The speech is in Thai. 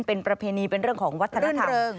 เป็นประเพณีเป็นเรื่องของวัฒนธรรม